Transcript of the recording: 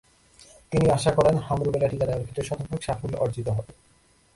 তিনি আশা করেন, হাম-রুবেলা টিকা দেওয়ার ক্ষেত্রে শতভাগ সাফল্য অর্জিত হবে।